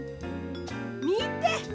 みて！